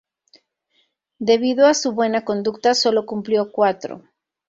Debido a su buena conducta, solo cumplió cuatro.